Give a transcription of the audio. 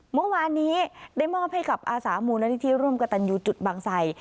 เมื่อวานนี้ได้มอบให้กับอาสามูลนิธิร่วมกระตันยูจุดบางไส